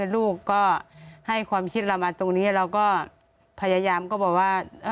ลูกก็ให้ความคิดเรามาตรงนี้เราก็พยายามก็บอกว่า